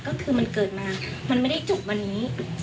ก็คือมันเกิดมามันไม่ได้จบวันนี้